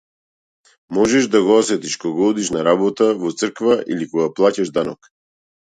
Можеш да го осетиш кога одиш на работа, во црква или кога плаќаш данок.